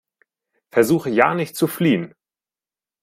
Versuche ja nicht zu fliehen!